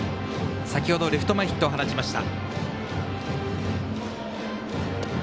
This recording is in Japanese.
先ほどレフト前ヒットを放ちました。